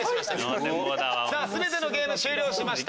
さぁ全てのゲーム終了しました。